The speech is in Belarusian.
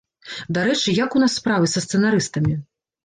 Дарэчы, як у нас справы са сцэнарыстамі?